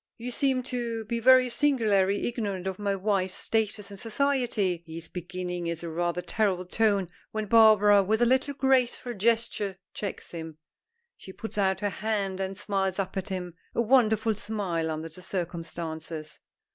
"You seem to, be very singularly ignorant of my wife's status in society " he is beginning is a rather terrible tone, when Barbara, with a little graceful gesture, checks him. She puts out her hand and smiles up at him, a wonderful smile under the circumstances.